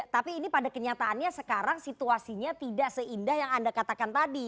tapi ini pada kenyataannya sekarang situasinya tidak seindah yang anda katakan tadi